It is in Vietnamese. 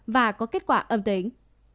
và có kết quả âm tính